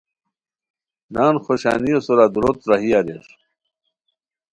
نان خوشانیو سورا دُوروت راہی اریر